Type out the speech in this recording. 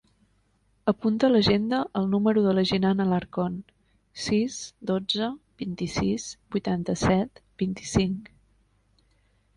Apunta a l'agenda el número de la Jinan Alarcon: sis, dotze, vint-i-sis, vuitanta-set, vint-i-cinc.